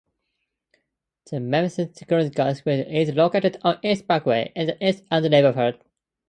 The Memphis Theological Seminary is located on East Parkway, in the East End neighborhood.